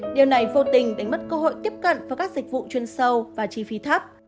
điều này vô tình đánh mất cơ hội tiếp cận vào các dịch vụ chuyên sâu và chi phí thấp